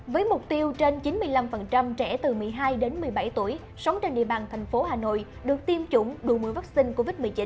với mục tiêu trên chín mươi năm trẻ từ một mươi hai đến một mươi bảy tuổi sống trên địa bàn thành phố hà nội được tiêm chủng đủ mũi vaccine covid một mươi chín